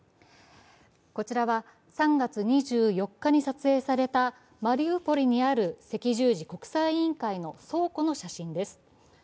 こちらは３月２４日に撮影されたマリウポリにある赤十字国際委員会の倉庫の写真です。